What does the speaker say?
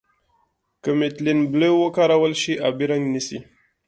که میتیلین بلو وکارول شي آبي رنګ نیسي.